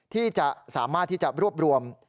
ที่จะสามารถที่จะรวบรวม